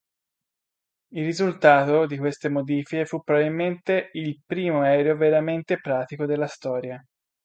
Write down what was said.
Il risultato di queste modifiche fu probabilmente il primo aereo veramente pratico della storia.